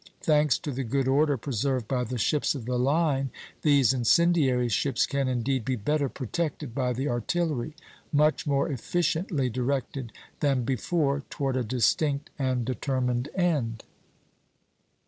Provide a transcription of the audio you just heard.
Thanks to the good order preserved by the ships of the line, these incendiary ships can indeed be better protected by the artillery; much more efficiently directed than before toward a distinct and determined end."